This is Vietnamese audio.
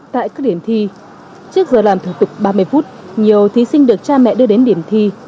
tại các điểm thi trước giờ làm thủ tục ba mươi phút nhiều thí sinh được cha mẹ đưa đến điểm thi